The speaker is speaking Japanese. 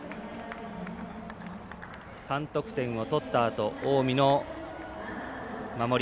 ３得点を取ったあと近江の守り。